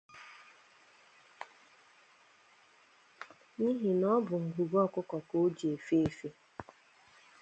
n’ihi na ọ bụ ngụgụ ọkụkọ ka o ji efe efe